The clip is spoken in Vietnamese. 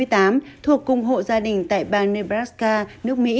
thuộc cùng hộ gia đình tại bang nebraska nước mỹ